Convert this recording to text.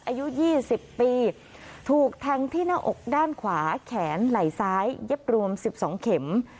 อายุ๒๐ปีถูกแทงที่หน้าอกด้านขวาแขนไหล่ซ้ายเย็บรวม๑๒เข็ม